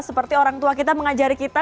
seperti orang tua kita mengajari kita